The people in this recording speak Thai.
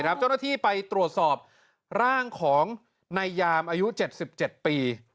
เจ้าหน้าที่ไปตรวจสอบร่างของนายยามอายุ๗๗ปี